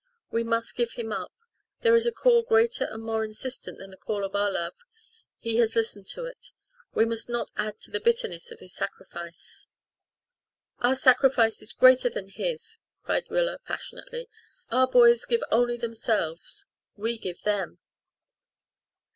We must give him up. There is a Call greater and more insistent than the call of our love he has listened to it. We must not add to the bitterness of his sacrifice." "Our sacrifice is greater than his," cried Rilla passionately. "Our boys give only themselves. We give them."